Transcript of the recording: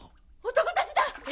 ・男たちだ！